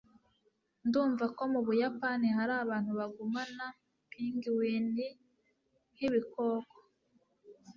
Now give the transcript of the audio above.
ndumva ko mubuyapani hari abantu bagumana pingwin nkibikoko